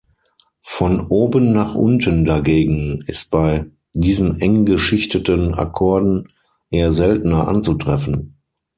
Von oben nach unten dagegen ist bei diesen eng-geschichteten Akkorden eher seltener anzutreffen.